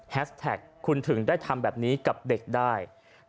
แท็กคุณถึงได้ทำแบบนี้กับเด็กได้